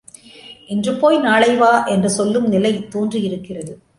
இன்று போய் நாளை வா என்று சொல்லும் நிலை தோன்றியிருக்கிறது.